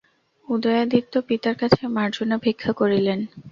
উদয়াদিত্য পিতার কাছে মার্জনা ভিক্ষা করিলেন।